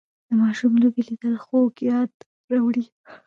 د ماشوم لوبې لیدل خوږ یاد راوړي